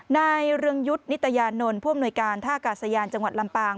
เรืองยุทธ์นิตยานนท์ผู้อำนวยการท่ากาศยานจังหวัดลำปาง